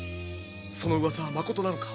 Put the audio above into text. そのうわさはまことなのか？